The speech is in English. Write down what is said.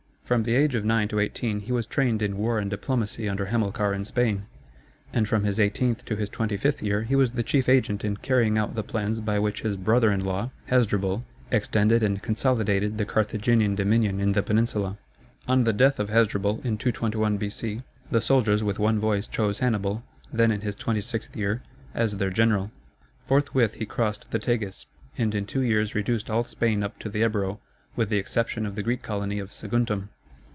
From the age of nine to eighteen he was trained in war and diplomacy under Hamilcar in Spain; and from his eighteenth to his twenty fifth year he was the chief agent in carrying out the plans by which his brother in law, Hasdrubal, extended and consolidated the Carthaginian dominion in the Peninsula. On the death of Hasdrubal, in 221 B.C., the soldiers with one voice chose Hannibal, then in his twenty sixth year, as their general. Forthwith he crossed the Tagus, and in two years reduced all Spain up to the Ebro, with the exception of the Greek colony of Saguntum.